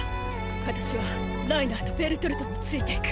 私はライナーとベルトルトに付いていく。